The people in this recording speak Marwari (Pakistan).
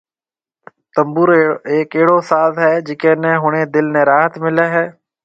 تنبورو ھيَََڪ اھڙو ساز ھيَََ جڪي ني ۿڻي دل ني راحت ملي